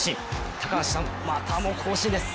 高橋さん、またも更新です。